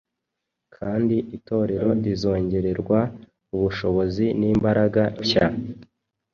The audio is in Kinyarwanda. kandi Itorero rizongererwa ubushobozi n’imbaraga nshya.